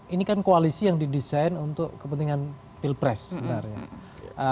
ini kan koalisi yang didesain untuk kepentingan pilpres sebenarnya